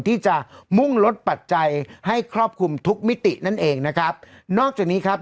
ที่จะมุ่งลดปัจจัยให้ครอบคลุมทุกมิตินั่นเองนะครับนอกจากนี้ครับ